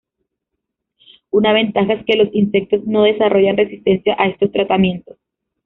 Una ventaja es que los insectos no desarrollan resistencia a estos tratamientos.